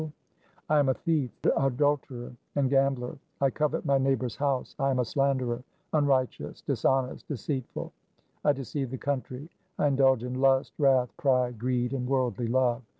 270 THE SIKH RELIGION I am a thief, adulterer, and gambler ; I covet my neighbour's house, I am a slanderer, unrighteous, dishonest, deceitful ; I deceive the country. I indulge in lust, wrath, pride, greed, and worldly love.